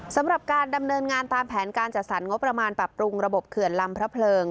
สำหรับการดำเนินงานตามแผนการจัดสรรงบประมาณปรับปรุงระบบเขื่อนลำพระเพลิง